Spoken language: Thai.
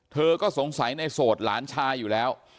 เธอก็สงสัยในโสดหลานชายอยู่แล้ว